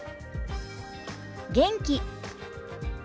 元気。